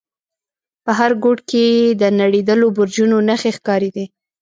په هر گوټ کښې يې د نړېدلو برجونو نخښې ښکارېدې.